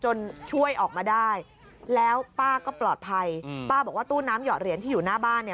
ช่วยออกมาได้แล้วป้าก็ปลอดภัยอืมป้าบอกว่าตู้น้ำหอดเหรียญที่อยู่หน้าบ้านเนี่ย